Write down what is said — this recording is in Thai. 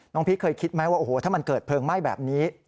พีชเคยคิดไหมว่าโอ้โหถ้ามันเกิดเพลิงไหม้แบบนี้